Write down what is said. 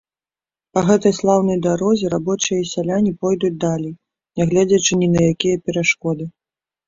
Па гэтай слаўнай дарозе рабочыя і сяляне пойдуць далей, нягледзячы ні на якія перашкоды.